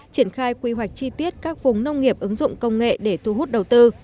triển khai quy hoạch chi tiết các vùng nông nghiệp ứng dụng công nghệ để thu hút đầu tư